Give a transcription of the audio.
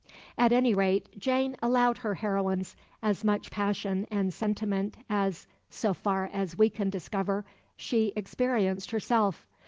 At any rate Jane allowed her heroines as much passion and sentiment as so far as we can discover she experienced herself.